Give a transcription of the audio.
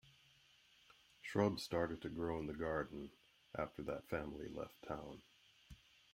Shrubs started to grow in the garden after that family left town.